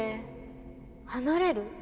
離れる。